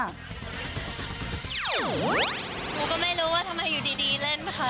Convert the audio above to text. หนูก็ไม่รู้ว่าทำไมอยู่ดีเล่นไหมคะ